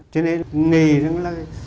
cho nên nghỉ